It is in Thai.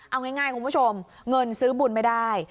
เอาง่ายคุณผู้ชมเงินซื้อบุญไม่ได้